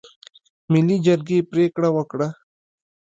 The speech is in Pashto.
ملي جرګې پرېکړه وکړه.